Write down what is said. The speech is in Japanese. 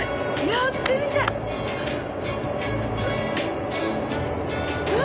やってみたい！